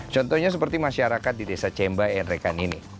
contohnya seperti masyarakat di desa cemba yang mereka ini